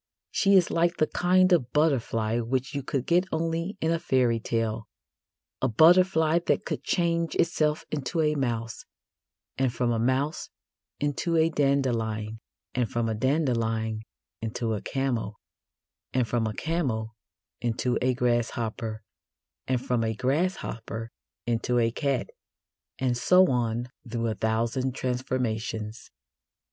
She is like the kind of butterfly which you could get only in a fairy tale a butterfly that could change itself into a mouse, and from a mouse into a dandelion, and from a dandelion into a camel, and from a camel into a grasshopper, and from a grasshopper into a cat, and so on through a thousand transformations.